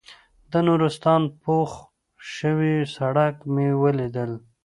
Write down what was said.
د نورستان په پوخ شوي سړک مې ولیدل.